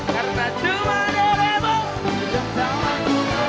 karena cuma durian